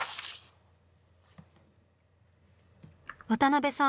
渡辺さん